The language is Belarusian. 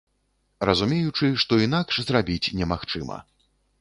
Разумеючы, што інакш зрабіць немагчыма.